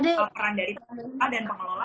kekuatan dari pengelola dan pengelola